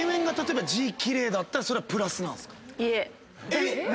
えっ⁉